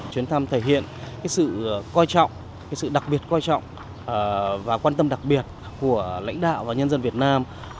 chuyến thăm thể hiện sự coi trọng sự đặc biệt quan trọng và quan tâm đặc biệt của lãnh đạo và nhân dân việt nam